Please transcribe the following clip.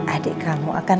adik kamu akan